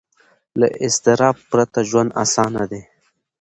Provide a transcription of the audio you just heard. له اضطراب پرته ژوند اسانه دی.